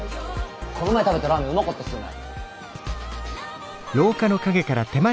この前食べたラーメンうまかったっすよね。